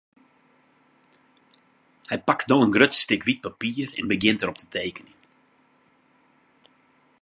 Hy pakt no in grut stik wyt papier en begjint dêrop te tekenjen.